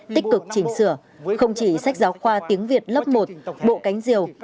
tích cực chỉnh sửa không chỉ sách giáo khoa tiếng việt lớp một bộ cánh diều